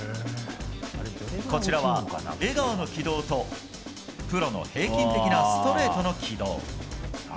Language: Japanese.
こちらは、江川の軌道とプロの平均的なストレートの軌道。